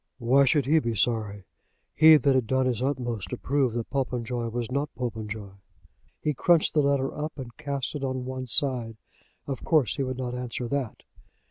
Why should he be sorry, he that had done his utmost to prove that Popenjoy was not Popenjoy? He crunched the letter up and cast it on one side. Of course he would not answer that.